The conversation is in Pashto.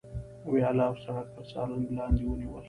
ویاله او سړک تر څارنې لاندې ونیول.